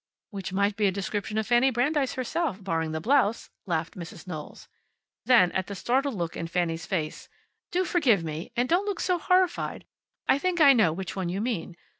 "Which might be a description of Fanny Brandeis herself, barring the blouse," laughed Mrs. Knowles. Then, at the startled look in Fanny's face, "Do forgive me. And don't look so horrified. I think I know which one you mean.